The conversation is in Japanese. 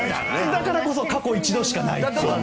だからこそ過去一度しかない。